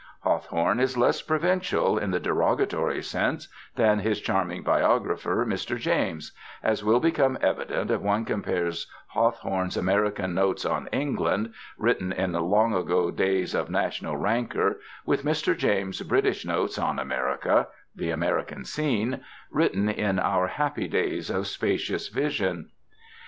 _ Hawthorne is less provincial, in the derogatory sense, than his charming biographer, Mr. James, as will become evident if one compares Hawthorne's American notes on England, written in long ago days of national rancor, with Mr. James's British notes on America ("The American Scene"), written in our happy days of spacious vision.